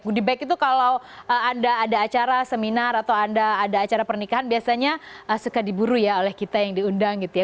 goodie bag itu kalau anda ada acara seminar atau anda ada acara pernikahan biasanya suka diburu ya oleh kita yang diundang gitu ya